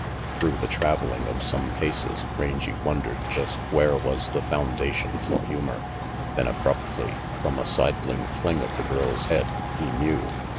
Through the traveling of some paces, Rangy wondered just where was the foundation for humor; then abruptly, from a sidling fling of the girl's head, he knew.